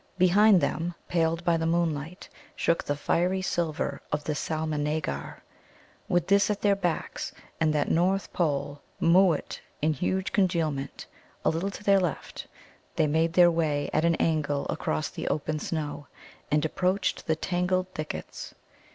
Behind them, paled by the moonlight, shook the fiery silver of the Salemnāgar. With this at their backs and that North Pole, Mōōt, in huge congealment, a little to their left, they made their way at an angle across the open snow, and approached the tangled thickets.